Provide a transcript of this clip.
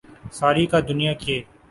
ساری کا دنیا کے